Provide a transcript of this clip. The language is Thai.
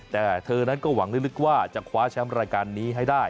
แต่เธอนั้นก็หวังลึกว่าจะคว้าแชมป์รายการนี้ให้ได้